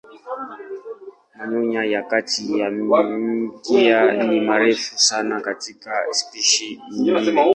Manyoya ya kati ya mkia ni marefu sana katika spishi nyingine.